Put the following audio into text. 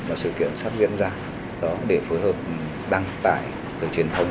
và sự kiện sắp diễn ra để phối hợp đăng tải từ truyền thông